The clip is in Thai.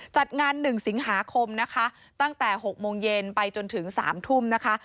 จัดงาน๑สิงหาคมนะคะตั้งแต่๖โมงเย็นไปจนถึง๓ทุ่มนะคะ